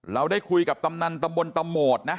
เราได้คุยกับกำนันตำบลตะโหมดนะ